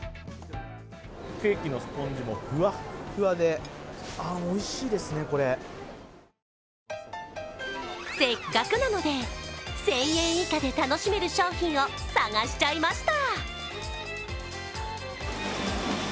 ケーキのスポンジもふわっふわでせっかくなので１０００円以下で楽しめる商品を探しちゃいました。